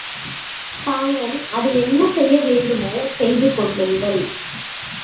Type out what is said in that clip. தாங்கள் அதை என்ன செய்ய வேண்டுமோ, செய்து கொள்ளுங்கள்.